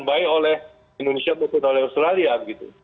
baik oleh indonesia maupun oleh australia begitu